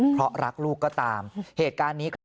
เพราะรักลูกก็ตามเหตุการณ์นี้ครับ